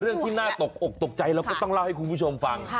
ที่น่าตกอกตกใจเราก็ต้องเล่าให้คุณผู้ชมฟัง